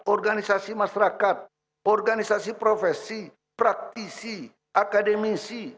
organisasi masyarakat organisasi profesi praktisi akademisi